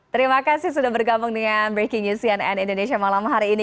terima kasih sudah bergabung dengan breaking news cnn indonesia malam hari ini